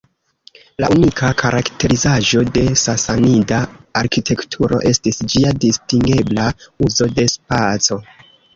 La unika karakterizaĵo de Sasanida arkitekturo, estis ĝia distingebla uzo de spaco.